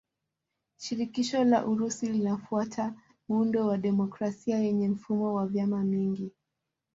Shirikisho la Urusi linafuata muundo wa demokrasia yenye mfumo wa vyama vingi.